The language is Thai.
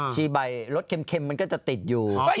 ชี้บ่อยรสเค็มมันก็จะติดอยู่